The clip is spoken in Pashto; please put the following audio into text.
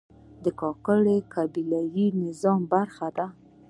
کاکړ د قبایلي نظام برخه ده.